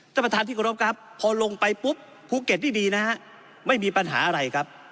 ท่านประธานที่กรบครับพอลงไปปุ๊บภูเก็ตนี่มีนะฮะไม่มีปัญหาอะไรครับ